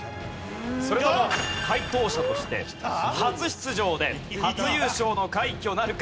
それとも解答者として初出場で初優勝の快挙なるか？